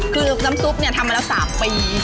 คือน้ำซุปเนี่ยทำมาแล้ว๓ปี